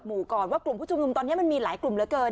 ก่อนว่ากลุ่มผู้ชุมนุมตอนนี้มันมีหลายกลุ่มเหลือเกิน